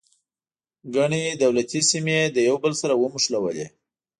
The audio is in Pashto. ګڼې تولیدي سیمې یې له یو بل سره ونښلولې.